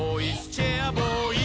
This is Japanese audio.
チェアボーイ！」